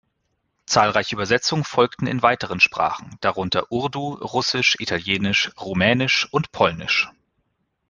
Zahlreiche Übersetzungen folgten in weiteren Sprachen, darunter Urdu, Russisch, Italienisch, Rumänisch und Polnisch.